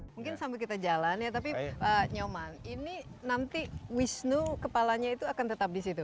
mungkin sambil kita jalan ya tapi pak nyoman ini nanti wisnu kepalanya itu akan tetap di situ